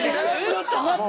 ちょっと待って。